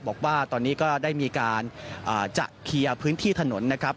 บอกว่าตอนนี้ก็ได้มีการจะเคลียร์พื้นที่ถนนนะครับ